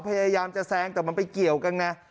พยายามจะแซงแต่มันไปเกี่ยวกันไง